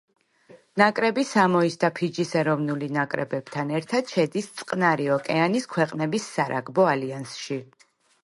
ნაკრები სამოის და ფიჯის ეროვნული ნაკრებებთან ერთად შედის წყნარი ოკეანის ქვეყნების სარაგბო ალიანსში.